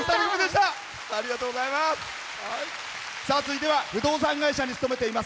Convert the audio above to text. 続いては不動産会社に勤めています。